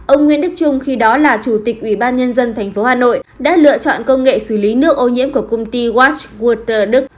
ông nguyễn đức trung khi đó là chủ tịch ubnd tp hà nội đã lựa chọn công nghệ xử lý nước ô nhiễm của công ty watchwater đức